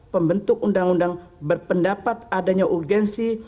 pembentuk undang undang berpendapat adanya urgensi